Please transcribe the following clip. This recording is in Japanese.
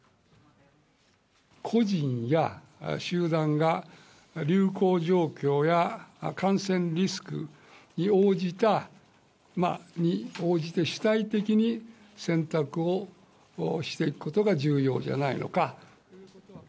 個人や、集団が流行状況や感染リスクに応じて、主体的に選択をしていくことが重要じゃないのか。